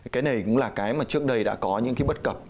cái này cũng là cái mà trước đây đã có những cái bất cập